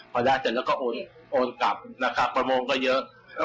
พอได้เสร็จแล้วก็โอนกลับนะครับประมงก็เยอะ